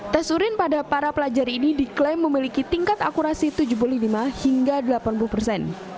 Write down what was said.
tes urin pada para pelajar ini diklaim memiliki tingkat akurasi tujuh puluh lima hingga delapan puluh persen